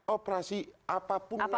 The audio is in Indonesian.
operasi apapun namanya